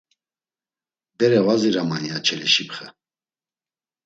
“Bere va ziraman!” ya Çeleşipxe.